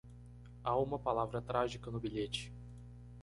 Há uma palavra trágica no bilhete.